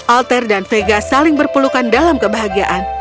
alter dan vega saling berpelukan dalam kebahagiaan